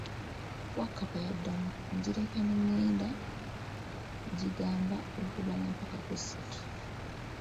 Wakkapa yaddamu, njireka n'egenda ne njigamba okubala pakka ku ssatu.